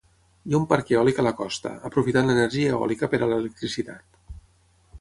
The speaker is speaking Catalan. Hi ha un parc eòlic a la costa, aprofitant l'energia eòlica per a l'electricitat.